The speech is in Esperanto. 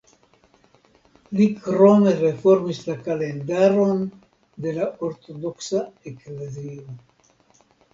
Li krome reformis la kalendaron de la Ortodoksa Eklezio.